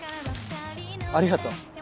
ありがとう。